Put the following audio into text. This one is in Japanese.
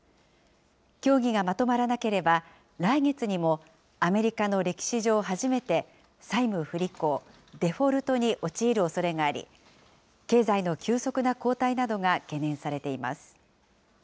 協議がまとまらなければ、来月にも、アメリカの歴史上初めて、債務不履行・デフォルトに陥るおそれがあり、経済の急速な後退などが懸念されています。